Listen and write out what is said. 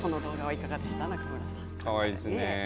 かわいいですね。